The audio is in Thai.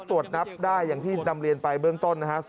ตรวจนับได้อย่างที่นำเรียนไปเบื้องต้นนะฮะ